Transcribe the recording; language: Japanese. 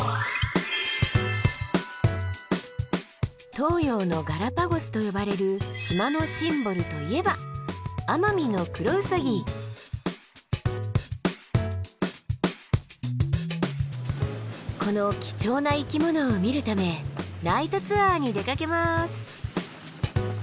東洋のガラパゴスと呼ばれる島のシンボルといえばこの貴重な生き物を見るためナイトツアーに出かけます。